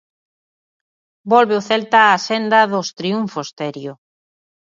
Volve o Celta á senda dos triunfos, Terio.